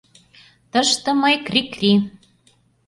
— Тыште мый — крри-кри...